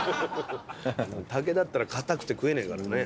竹だったらかたくて食えねぇからね。